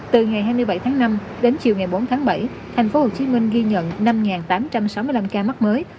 từ ngày hai mươi bảy tháng năm đến chiều ngày bốn tháng bảy tp hcm ghi nhận năm tám trăm sáu mươi năm ca mắc mới